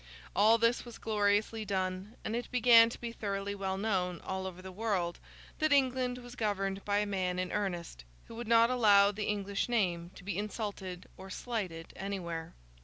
All this was gloriously done; and it began to be thoroughly well known, all over the world, that England was governed by a man in earnest, who would not allow the English name to be insulted or slighted anywhere.